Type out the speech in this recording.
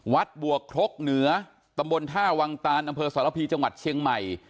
วัดบวกโฆห์เหนือตำบลฆ่าวังตานอำเภอสรภภีร์จังหวัดเฉียงใหม่